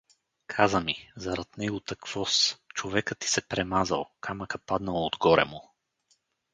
— Каза ми… зарад него, таквоз… човека ти се премазал, камъка паднал отгоре му.